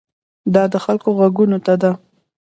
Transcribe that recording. دا د خلکو غوږونو ته ده.